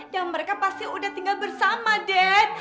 dan mereka pasti udah tinggal bersama dad